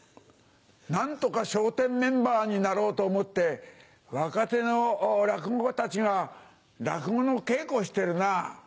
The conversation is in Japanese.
何とか笑点メンバーになろうと思って若手の落語家たちが落語の稽古をしてるなぁ！